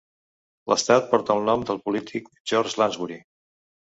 L'estat porta el nom del polític George Lansbury.